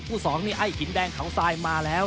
คู่๒นี่ไอ่หินแดงเขาทรายมาแล้ว